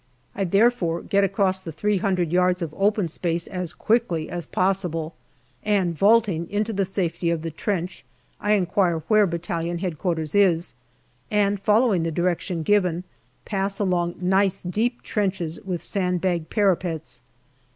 I therefore get across the three hundred yards of open space as quickly as possible, and vaulting into the safety of the trench, I inquire where Battalion H.Q, is, and follow 92 GALLIPOLI DIARY ing the direction given, pass along nice deep trenches with sand bagged parapets.